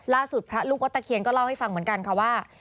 ล่าสุดพระลูกวัดตะเขียนก็เล่าให้ฟังเหมือนกันว่า